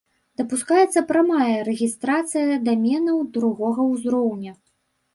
Дапускаецца прамая рэгістрацыя даменаў другога ўзроўня.